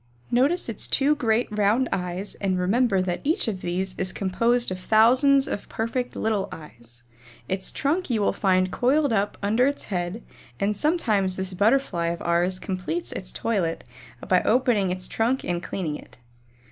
Notice its two great round eyes and remember that each of these is composed of thousands of perfect little eyes. Its trunk you will find coiled up under its head and sometimes this Butterfly of ours completes its toilet by opening its trunk and cleaning it.